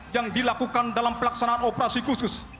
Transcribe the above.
yang dilakukan dalam pelaksanaan operasi khusus